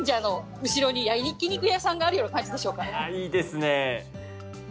ああ、いいですね。